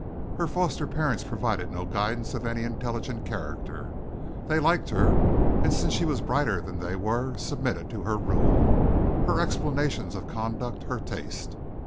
Her foster parents provided no guidance of any intelligent character. They liked her, and since she was brighter than they were, submitted to her rule, her explanations of conduct, her taste.